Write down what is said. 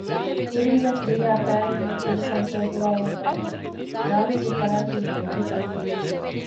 ކުރިން ވެސް ރިޔާ ކައިވެންޏެއް ކުރިކަން ޞާބިރާއަށް ވަނީ ރާހުލްގެ ފަރާތުން އެނގިފަ